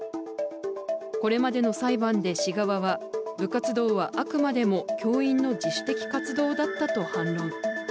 これまでの裁判で市側は部活動はあくまでも教員の自主的活動だったと反論。